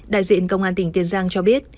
đại diện công an tỉnh tiền giang cho biết